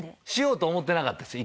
しようと思ってなかった